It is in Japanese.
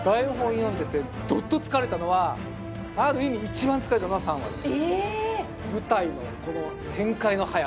どっと疲れたのはある意味一番疲れたのは３話です